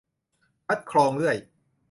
คัดคลองเลื่อย